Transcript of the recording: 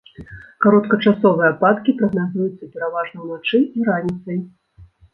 Кароткачасовыя ападкі прагназуюцца пераважна ўначы і раніцай.